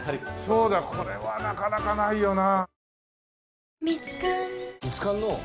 そうだこれはなかなかないよな。